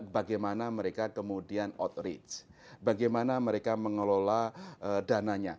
bagaimana mereka kemudian outreach bagaimana mereka mengelola dananya